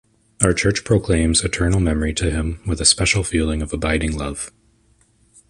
Our Church proclaims eternal memory to him with a special feeling of abiding love.